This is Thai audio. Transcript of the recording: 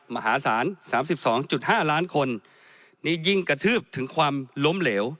มหาศาลสามสิบสองจุดห้าล้านคนนี่ยิ่งกระทืบถึงความล้มเหลว